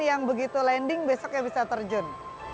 yang begitu landing besoknya bisa terjun